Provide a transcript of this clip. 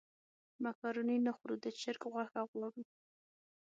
مېکاروني نه خورو د چرګ غوښه غواړو.